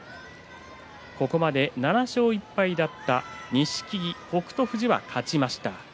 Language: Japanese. ここまで７勝１敗だった錦木、北勝富士が勝ちました。